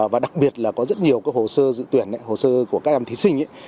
và đặc biệt là có rất nhiều hồ sơ dự tuyển hồ sơ của các em thí sinh